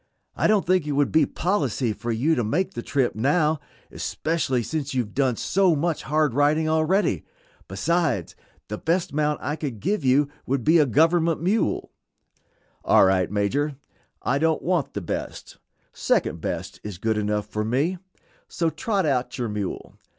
"I don't think it would be policy for you to make the trip now, especially since you have done so much hard riding already. Besides, the best mount I could give you would be a government mule." "All right, Major, I don't want the best; second best is good enough for me; so trot out your mule.